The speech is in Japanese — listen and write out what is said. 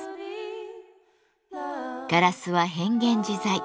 ガラスは変幻自在。